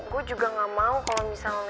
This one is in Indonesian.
gue juga gak mau kalau misalnya